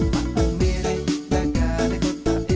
không chỉ cho tôi